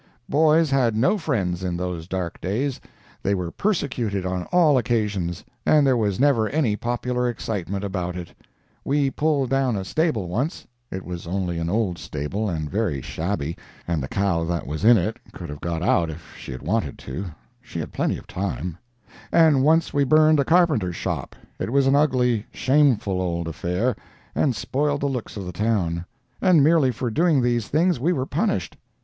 Boys had no friends in those dark days. They were persecuted on all occasions, and there was never any popular excitement about it. We pulled down a stable once (it was only an old stable, and very shabby, and the cow that was in it could have got out if she had wanted to—she had plenty of time), and once we burned a carpenter's shop—it was an ugly, shameful old affair, and spoiled the looks of the town—and merely for doing these things we were punished.